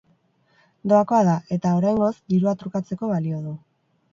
Doakoa da, eta, oraingoz, dirua trukatzeko balio du.